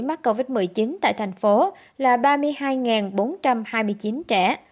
mắc covid một mươi chín tại thành phố là ba mươi hai bốn trăm hai mươi chín trẻ